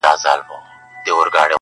و چاته چي ښوولی پېړۍ مخکي ما تکبیر دی,